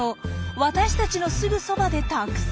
私たちのすぐそばでたくさん。